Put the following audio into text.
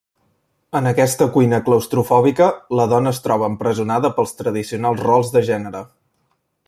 En aquesta cuina claustrofòbica, la dona es troba empresonada pels tradicionals rols de gènere.